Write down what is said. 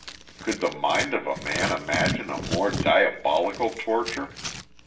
Could the mind of man imagine a more diabolical torture?